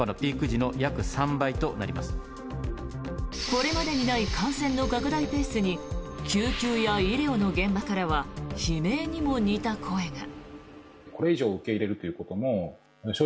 これまでにない感染の拡大ペースに救急や医療の現場からは悲鳴にも似た声が。